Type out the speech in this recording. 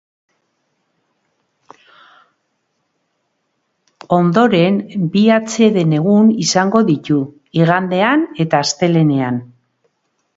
Ondoren, bi atseden egun izango ditu igandean eta astelehenean.